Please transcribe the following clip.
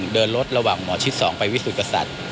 เดินรถระหว่างหมอชิด๒ไปวิสุทธิกษัตริย์